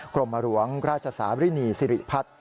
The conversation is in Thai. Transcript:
กรมหลวงราชสารินีสิริพัฒน์